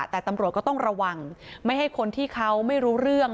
แต่ตำรวจก็ต้องระวังไม่ให้คนที่เขาไม่รู้เรื่อง